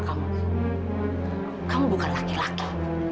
kamu bukan laki laki